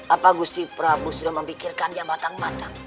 apa gusti prabu sudah memikirkan dia matang matang